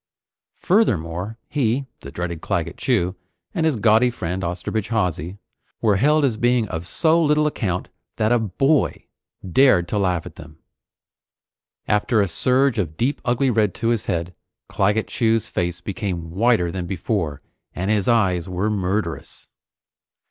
Furthermore, he, the dreaded Claggett Chew, and his gaudy friend Osterbridge Hawsey, were held as being of so little account that a boy dared to laugh at them! After a surge of deep ugly red to his head, Claggett Chew's face became whiter than before, and his eyes were murderous.